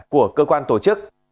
của cơ quan tổ chức